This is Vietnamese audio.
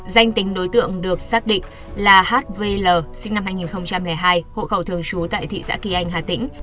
danh tính đối tượng được xác định là hvl sinh năm hai nghìn hai hộ khẩu thường trú tại thị xã kỳ anh hà tĩnh